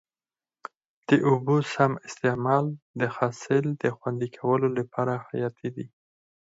د اوبو سم استعمال د حاصل د خوندي کولو لپاره حیاتي دی.